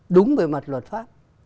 đúng bởi mặt luật pháp